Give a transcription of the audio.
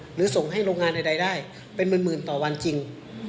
หรือส่งให้โรงงานใดได้เป็นหมื่นต่อวันจริง